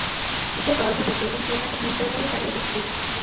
সে গর্ভবতী এবং তুই তাকে নির্দয়ভাবে তাড়িয়ে দিচ্ছিস।